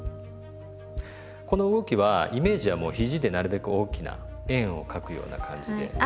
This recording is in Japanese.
この動きはイメージはもうひじでなるべく大きな円を描くような感じでやって下さい。